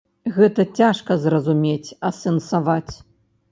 Гэта цяжка зразумець, асэнсаваць.